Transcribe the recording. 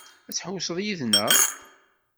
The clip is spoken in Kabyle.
Ad tḥewwseḍ yid-neɣ?